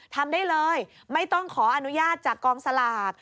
ทำได้เลยไม่ต้องขออนุญาตจากกองสลาก